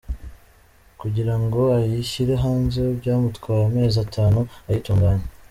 Kugira ngo ayishyire hanze byamutwaye amezi atanu ayitunganya.